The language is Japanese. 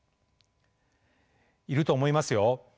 「いると思いますよ